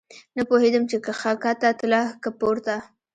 نه پوهېدم چې کښته تله که پورته.